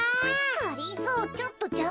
がりぞーちょっとじゃま。